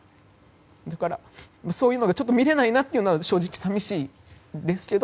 だから、そういうのがちょっと見れないなというのは正直、寂しいです。